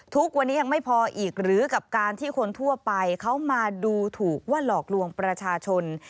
ทุกวันนี้ยังไม่พออีกหรือกับการที่คนทั่วไปเขามาดูถูกว่าหลอกลวงประชาชน